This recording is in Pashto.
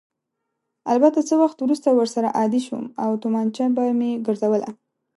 البته څه وخت وروسته ورسره عادي شوم او تومانچه به مې ګرځوله.